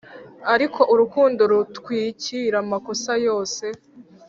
ariko urukundo rutwikira amakosa yose